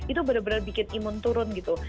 itu benar benar bikin imun turun gitu